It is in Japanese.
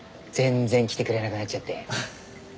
全然来てくれなくなっちゃって。